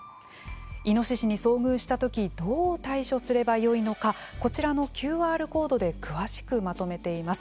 イノシシに遭遇した時どう対処すればよいのかこちらのＱＲコードで詳しくまとめています。